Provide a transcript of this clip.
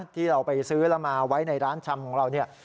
ที่เราไปซื้อแล้วมาไว้ในร้านชำของเราเนี่ย